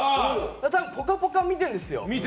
だから多分「ぽかぽか」を見てるんですよ。